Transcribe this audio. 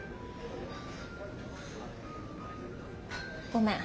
ごめん。